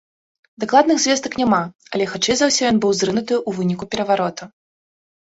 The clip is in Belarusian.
Дакладных звестак няма, але хутчэй за ўсё ён быў зрынуты ў выніку перавароту.